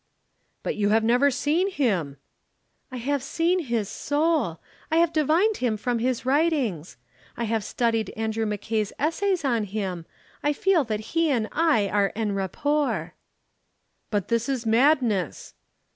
"But you have never seen him!" "I have seen his soul. I have divined him from his writings. I have studied Andrew Mackay's essays on him. I feel that he and I are en rapport." "But this is madness!"